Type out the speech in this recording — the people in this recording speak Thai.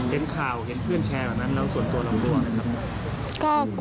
เห็นข่าวเห็นเพื่อนแชร์แบบนั้นแล้วส่วนตัวเราร่วงนะครับ